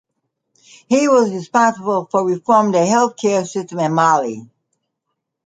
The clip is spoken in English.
He was responsible for reforming the healthcare system in Mali.